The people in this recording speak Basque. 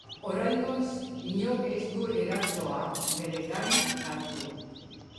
Oraingoz inork ez du erasoa bere gain hartu.